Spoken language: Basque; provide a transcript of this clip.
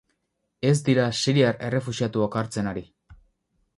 Ez dira siriar errefuxiatuak hartzen ari.